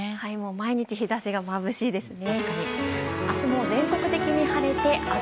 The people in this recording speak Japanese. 毎日、日差しがまぶしいですね。